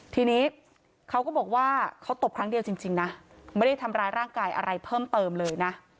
ทีนี้เขาก็บอกว่าเขาตบครั้งเดียวจริงนะไม่ได้ทำร้ายร่างกายอะไรเพิ่มเติมเลยนะ